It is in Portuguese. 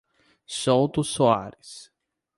Souto Soares